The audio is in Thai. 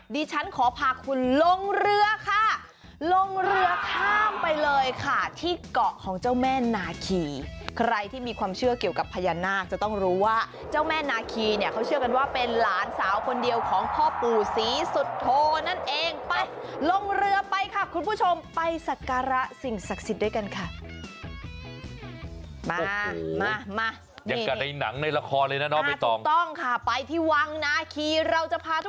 ดิฉันขอพาคุณลงเรือค่ะ